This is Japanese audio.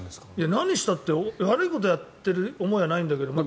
何したって悪いことをやっている思いはないんだけど。